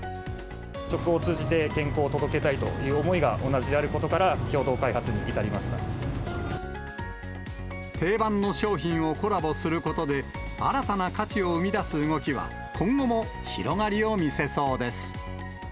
食を通じて、健康を届けたいという思いが同じであることから、共同開発に至り定番の商品をコラボすることで、新たな価値を生み出す動きは、今後も広がりを見せそうです。